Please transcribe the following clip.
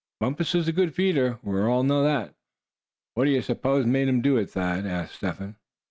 Bumpus is a good feeder, we all know." "What d'ye suppose made him do it, Thad?" asked Step Hen.